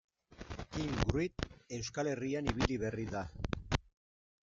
Kim Wright Euskal Herrian ibili berri da.